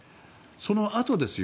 そのあとですよ